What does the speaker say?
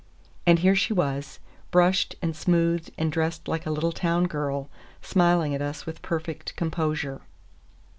And here she was, brushed and smoothed and dressed like a town girl, smiling at us with perfect composure.